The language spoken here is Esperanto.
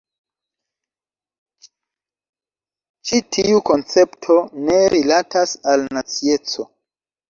Ĉi tiu koncepto ne rilatas al nacieco.